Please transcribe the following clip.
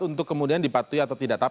untuk kemudian dipatuhi atau tidak